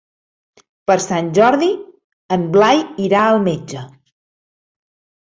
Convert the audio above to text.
Per Sant Jordi en Blai irà al metge.